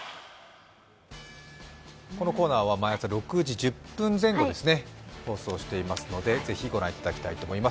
このコーナーは毎朝６時１０分前後に放送していますので、ぜひご覧いただきたいと思います。